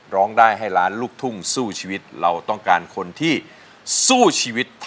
ร้องได้ให้ล้านลูกทุ่งสู้ชีวิต